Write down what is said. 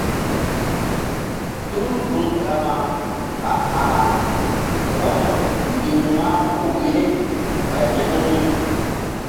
Tul gun Gama a ah lawmay ni̧h mahpuh ye ɓay ya̧ wu̧y.